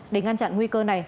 để ngăn chặn nguy cơ này